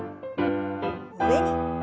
上に。